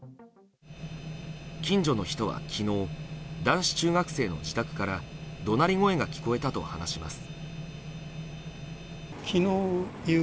近所の人は、昨日男子中学生の自宅から怒鳴り声が聞こえたと話します。